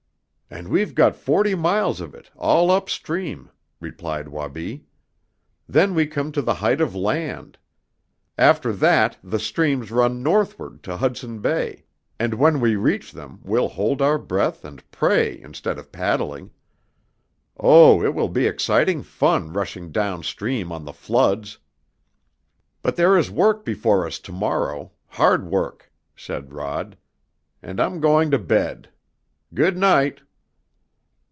"And we've got forty miles of it, all upstream," replied Wabi. "Then we come to the Height of Land. After that the streams run northward, to Hudson Bay, and when we reach them we'll hold our breath and pray instead of paddling. Oh, it will be exciting fun rushing down stream on the floods!" "But there is work before us to morrow hard work," said Rod. "And I'm going to bed. Good night!"